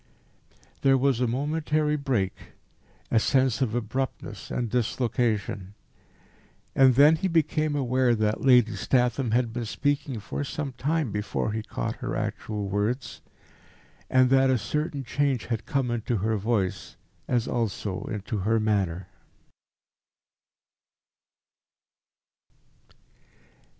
There was a momentary break, a sense of abruptness and dislocation. And then he became aware that Lady Statham had been speaking for some time before he caught her actual words, and that a certain change had come into her voice as also into her manner.